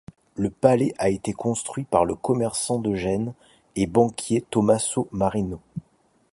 Le palais a été construit par le commerçant de Gênes et banquier Tommaso Marino.